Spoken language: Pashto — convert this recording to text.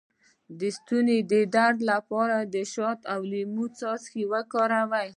د ستوني د درد لپاره د شاتو او لیمو څاڅکي وکاروئ